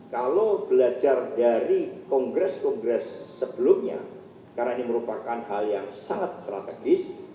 kalau belajar dari kongres kongres sebelumnya karena ini merupakan hal yang sangat strategis